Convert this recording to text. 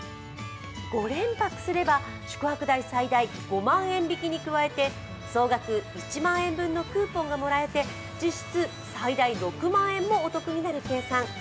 ５連泊すれば、宿泊代最大５万円引きに加えて総額１万円分のクーポンがもらえて実質最大６万円もお得になる計算。